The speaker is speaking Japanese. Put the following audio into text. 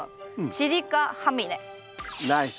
チリカハミネ。